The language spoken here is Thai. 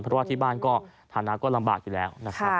เพราะว่าที่บ้านก็ฐานะก็ลำบากอยู่แล้วนะครับ